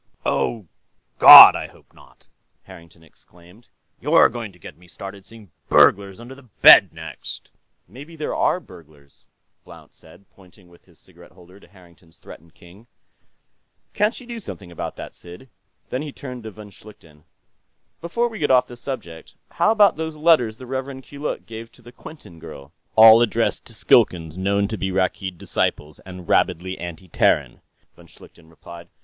"Oh, God, I hope not!" Harrington exclaimed. "You're going to get me started seeing burglars under the bed, next...." "Maybe there are burglars," Blount said, pointing with his cigarette holder to Harrington's threatened king. "Can't you do something about that, Sid?" Then he turned to von Schlichten. "Before we get off the subject, how about those letters the Rev. Keeluk gave to the Quinton girl?" "All addressed to Skilkans known to be Rakkeed disciples and rabidly anti Terran," von Schlichten replied.